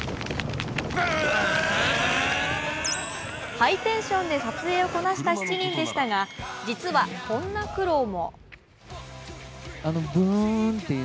ハイテンションで撮影をこなした７人でしたが実は、こんな苦労も。